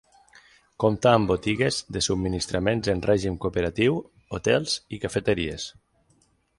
Compta amb botigues de subministraments en règim cooperatiu, hotels i cafeteries.